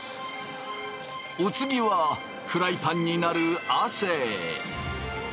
お次はフライパンになる亜生。